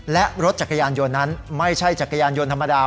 และรถจักรยานยนต์นั้นไม่ใช่จักรยานยนต์ธรรมดา